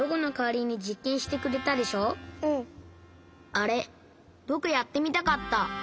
あれぼくやってみたかった。